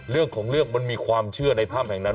เรื่องของเรื่องมันมีความเชื่อในถ้ำแห่งนั้น